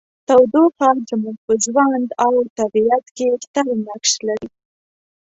تودوخه زموږ په ژوند او طبیعت کې ستر نقش لري.